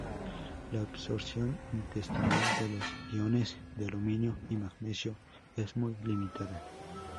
La absorción intestinal de los iones de aluminio y magnesio es muy limitada.